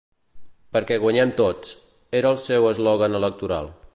“Perquè guanyem tots”, era el seu eslògan electoral.